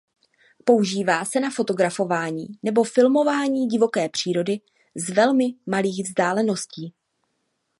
Používá se na fotografování nebo filmování divoké přírody z velmi malých vzdáleností.